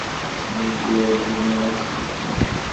মোগি das ক্রুজেসের বস্তির ঘরটির চালের ছিদ্র বেয়ে নেমে আসত জ্যোৎস্না।